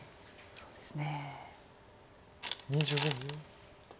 そうですね。